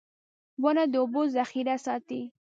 • ونه د اوبو ذخېره ساتي.